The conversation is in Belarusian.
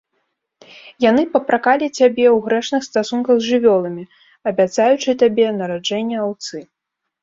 Яны папракалі цябе ў грэшных стасунках з жывёламі, абяцаючы табе нараджэнне аўцы.